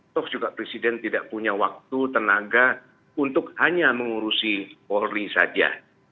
toh juga presiden tidak punya waktu tenaga untuk hanya mengurusi polri saja